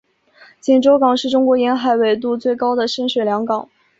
锦州港是中国沿海纬度最高的深水良港。